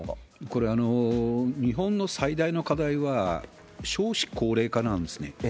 これは日本の最大の課題は、少子高齢化なんですね。